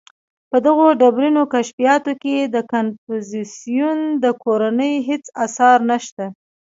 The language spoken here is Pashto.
• په دغو ډبرینو کشفیاتو کې د کنفوسیوس د کورنۍ هېڅ آثار نهشته.